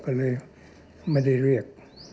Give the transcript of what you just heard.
ก็เลยไม่ได้เรียก